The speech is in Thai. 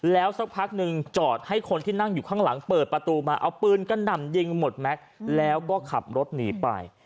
แล้วสักพักหนึ่งจอดให้คนที่นั่งอยู่ข้างหลังเปิดประตูมาเอาปืนกระหน่ำยิงหมดแม็กซ์แล้วก็ขับรถหนีไป